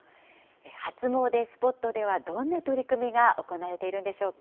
初詣スポットではどんな取り組みが行われているんでしょうか。